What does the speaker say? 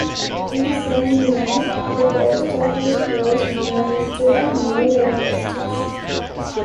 In the same year, the post office was moved to the new railway station.